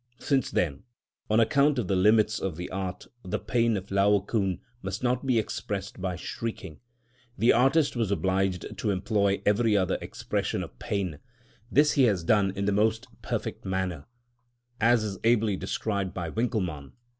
Since then, on account of the limits of the art, the pain of Laocoon must not be expressed by shrieking, the artist was obliged to employ every other expression of pain; this he has done in the most perfect manner, as is ably described by Winckelmann (Works, vol.